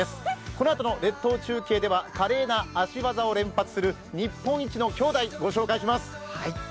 このあとの列島中継では華麗な足技を連発する日本一の兄弟、御紹介します。